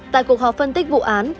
tại cuộc họp phân tích vụ án